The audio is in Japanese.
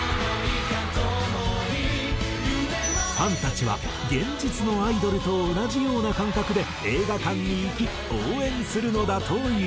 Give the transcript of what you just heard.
ファンたちは現実のアイドルと同じような感覚で映画館に行き応援するのだという。